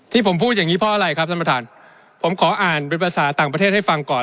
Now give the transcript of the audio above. ที่ผมพูดอย่างงี้เพราะอะไรครับท่านประธานผมขออ่านเป็นภาษาต่างประเทศให้ฟังก่อน